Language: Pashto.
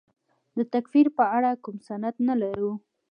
د تکفیر په اړه کوم سند نه لرو.